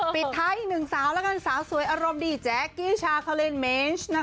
ปิดท้ายอีกหนึ่งสาวแล้วกันสาวสวยอารมณ์ดีแจ๊กกี้ชาคาเลนเมนช